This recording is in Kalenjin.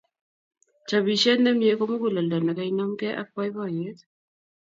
Chopisiet nemie ko muguleldo ne kainemgei ak boiboiyet